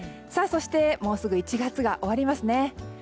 そして、もうすぐ１月が終わりますね。